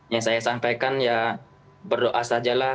yang saya sampaikan ya berdoa sajalah